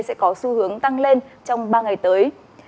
sẽ có xu hướng tăng lên trong ba ngày tới